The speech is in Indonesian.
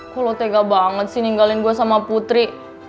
gue lo tega banget sih ninggalin gue sama putri